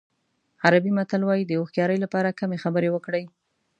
عربي متل وایي د هوښیارۍ لپاره کمې خبرې وکړئ.